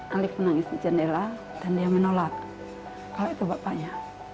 alif menangis di jendela dan dia menolak kalau itu bapaknya